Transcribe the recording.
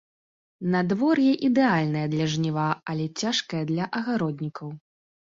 Надвор'е ідэальнае для жніва, але цяжкае для агароднікаў.